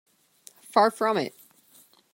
Far from it.